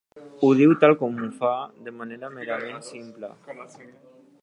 Ho diu tal com ho fa, de manera merament simple.